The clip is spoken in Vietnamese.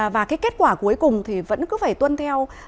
và kết quả cuối cùng vẫn phải tuân theo